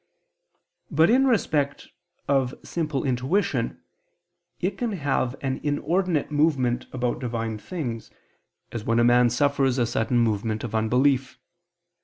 But in respect of simple intuition, it can have an inordinate movement about Divine things, as when a man suffers a sudden movement of unbelief.